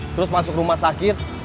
terus masuk rumah sakit